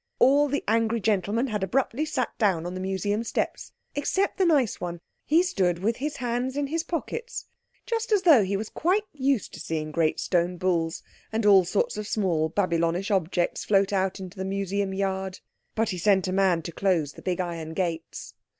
All the angry gentlemen had abruptly sat down on the Museum steps except the nice one. He stood with his hands in his pockets just as though he was quite used to seeing great stone bulls and all sorts of small Babylonish objects float out into the Museum yard. But he sent a man to close the big iron gates.